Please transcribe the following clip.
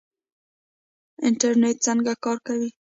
انټرنیټ څنګه کار کوي؟